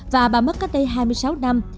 và bà mất cách đây hai mươi sáu năm